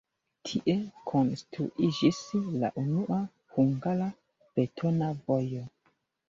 Tie konstruiĝis la unua hungara betona vojo.